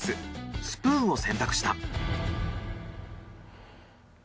スプーンを選択した。